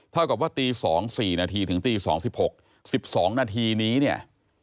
เท่ากับว่าตี๒๔นาทีถึงตี๒๖๑๒นาทีนี้เนี่ย